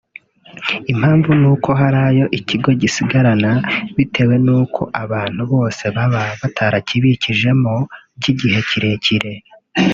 Impamvu ni uko hari ayo ikigo gisigarana bitewe n’uko abantu bose baba batarakibikijemo by’igihe kirekire